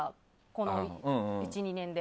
この１２年で。